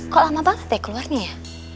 kok lama banget deh keluarnya ya